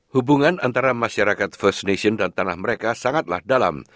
hubungan antara masyarakat first nation dan tanah mereka sangatlah dalam